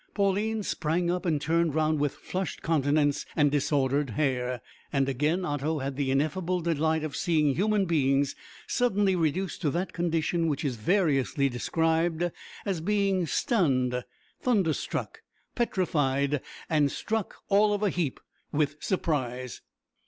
Pauline sprang up and turned round with flushed countenance and disordered hair; and again Otto had the ineffable delight of seeing human beings suddenly reduced to that condition which is variously described as being "stunned," "thunderstruck," "petrified," and "struck all of a heap" with surprise.